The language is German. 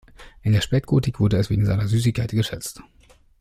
In der Spätgotik wurde es wegen seiner „Süßigkeit“ geschätzt.